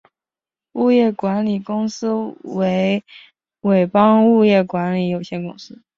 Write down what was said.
物业管理公司为伟邦物业管理有限公司。